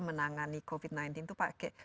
menangani covid sembilan belas itu pakai